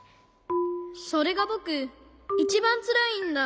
それがぼくいちばんつらいんだ。